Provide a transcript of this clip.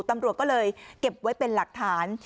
ตำรวจก็เลยเก็บไว้เป็นหลักฐาน